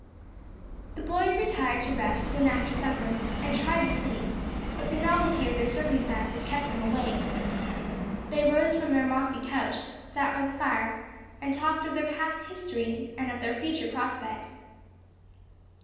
The boys retired to rest soon after supper, and tried to sleep; but the novelty of their circumstances kept them awake. They rose from their mossy couch, sat by the fire, and talked of their past history and of their future prospects.